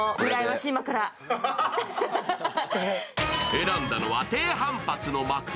選んだのは低反発の枕。